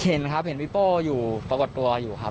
เห็นครับเห็นพี่โป้อยู่ปรากฏตัวอยู่ครับ